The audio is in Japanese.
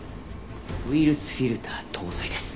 ウイルスフィルター搭載です。